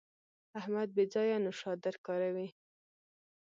احمد بې ځایه نوشادر کاروي.